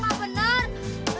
tidak tidak tidak tidak